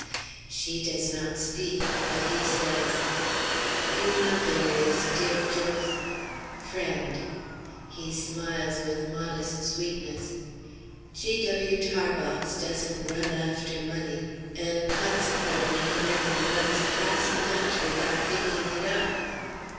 She does not speak; but he says: "You know there is, dear Jos friend!" He smiles with modest sweetness. "G. W. Tarbox doesn't run after money, and consequently he never runs past much without picking it up."